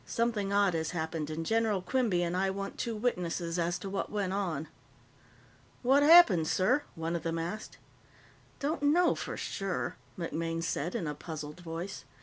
Something odd has happened, and General Quinby and I want two witnesses as to what went on." "What happened, sir?" one of them asked. "Don't know for sure," MacMaine said in a puzzled voice.